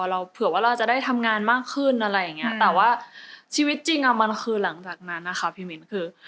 เราเผื่อว่าเราจะได้ทำงานมากขึ้นอะไรอย่างเงี้ยแต่ว่าชีวิตจริงอ่ะมันคือหลังจากนั้นนะคะพี่มิ้นคือ